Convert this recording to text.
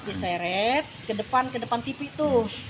diseret ke depan ke depan tv tuh